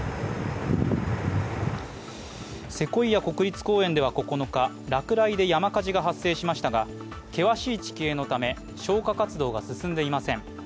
セコイア国立公園では９日落雷で山火事が発生しましたが、険しい地形のため消火活動が進んでいません。